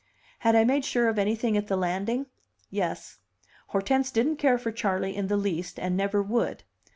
Had I made sure of anything at the landing? Yes; Hortense didn't care for Charley in the least, and never would.